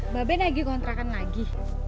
mbak ben lagi kontrakan lagi